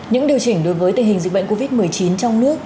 những điều chỉnh đối với tình hình dịch bệnh covid một mươi chín trong nước